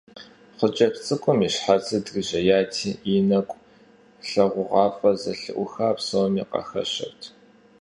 Хъыджэбз цӀыкӀум и щхьэцыр дрижьеяти, и нэкӀу лъагъугъуафӀэ зэлъыӀухар псоми къахэщырт.